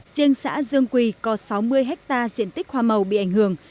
riêng xã dương quỳ có sáu mươi hectare diện tích hoa màu bị ảnh hưởng